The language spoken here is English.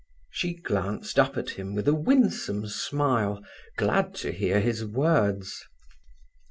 She glanced up at him with a winsome smile, glad to hear his words.